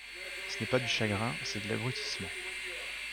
Ce n’est pas du chagrin, c’est de l’abrutissement.